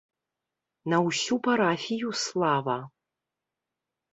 На ўсю парафію слава.